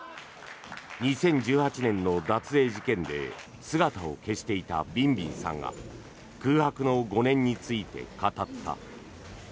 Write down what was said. ２０１８年の脱税事件で姿を消していたビンビンさんが空白の５年について語った。